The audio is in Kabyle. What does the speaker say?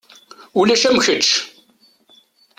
Ulac am kečč.